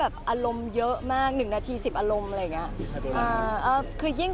อารมณ์เยอะมาก๑นาที๑๐อารมณ์